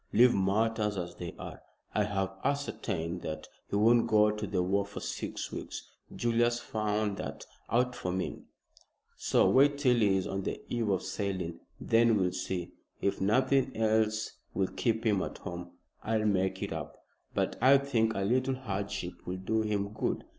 "Leave matters as they are. I have ascertained that he won't go to the war for six weeks. Julius found that out for me, so wait till he is on the eve of sailing. Then we'll see. If nothing else will keep him at home, I'll make it up. But I think a little hardship will do him good.